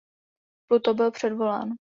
Pluto byl předvolán.